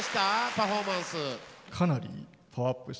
パフォーマンス。